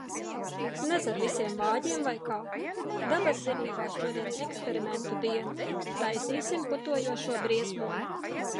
Nez ar visiem vāģiem, vai kā? Dabaszinībās šodien eksperimentu diena. Taisīsim putojošo briesmoni.